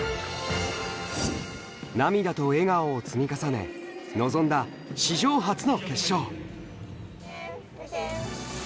涙と笑顔を積み重ね、臨んだ史上初の決勝。